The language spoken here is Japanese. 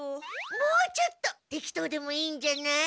もうちょっと適当でもいいんじゃない？